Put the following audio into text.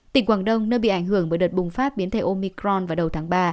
tỉnh quảng đông nơi bị ảnh hưởng bởi đợt bùng phát biến thể omicron vào đầu tháng ba